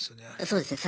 そうですね。